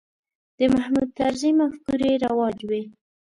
د محمود طرزي مفکورې رواج وې.